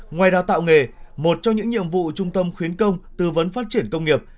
ngoài đào tạo nghề một trong những nhiệm vụ trung tâm khuyến công tư vấn phát triển công nghiệp